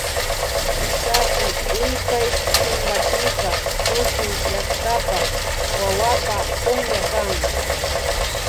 Sasi ishkay chunkapika tukuy llaktapak wawapa punlla kan